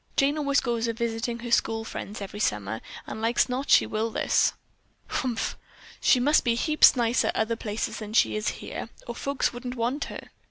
Jane always goes a visitin' her school friends every summer and like's not she will this." "Humph! She must be heaps nicer other places than she is here, or folks wouldn't want her."